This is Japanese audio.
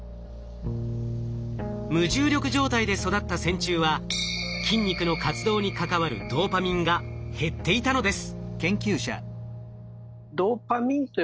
無重力状態で育った線虫は筋肉の活動に関わるドーパミンが減っていたのです。